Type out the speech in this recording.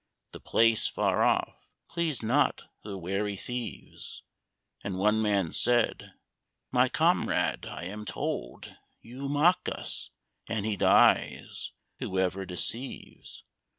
The place, far off, pleased not the wary thieves; And one man said, "My comrade, I am told You mock us; and he dies, whoe'er deceives.